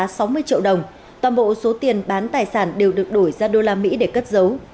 trộm tài sản trị giá sáu mươi triệu đồng toàn bộ số tiền bán tài sản đều được đổi ra đô la mỹ để cất giấu